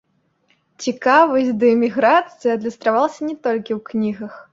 Цікавасць да эміграцыі адлюстравалася не толькі ў кнігах.